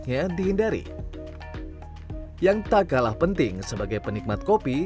yang tak kalah penting sebagai penikmat kopi